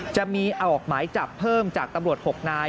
จะมีออกหมายจับเพิ่มจากตำรวจ๖นาย